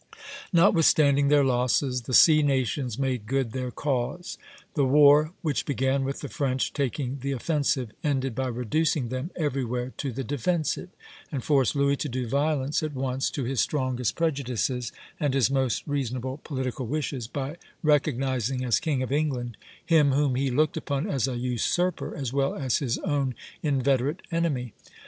Notwithstanding their losses, the sea nations made good their cause. The war, which began with the French taking the offensive, ended by reducing them everywhere to the defensive, and forced Louis to do violence at once to his strongest prejudices and his most reasonable political wishes, by recognizing as king of England him whom he looked upon as a usurper as well as his own inveterate enemy.